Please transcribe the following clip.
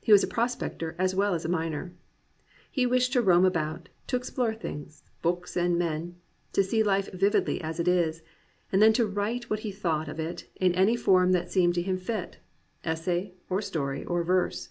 He was a prospector as well as a miner. He wished to roam around, to explore things, books, and men, to see life vividly as it is, and then to write what he thought of it in any form that seemed to him fit, — essay, or story, or verse.